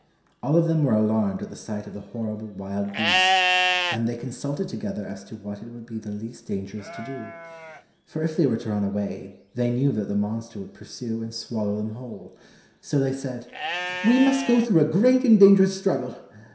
All of them were alarmed at the sight of the horrible wild beast, and they consulted together as to what it would be the least dangerous to do. For if they were to run away, they knew that the monster would pursue and swallow them whole. So they said, "We must go through a great and dangerous struggle.